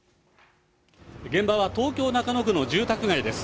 現場は東京・中野区の住宅街です。